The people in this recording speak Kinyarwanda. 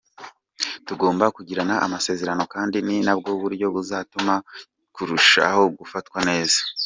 Tugomba kugirana amasezerano kandi ni na bwo buryo buzatuma kirushaho gufatwa neza.